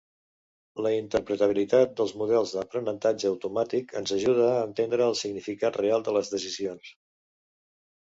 La interpretabilitat dels models d'aprenentatge automàtic ens ajuda a entendre el significat real de les decisions.